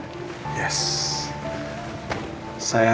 ibu catherine itu adalah sekretaris pak nino pak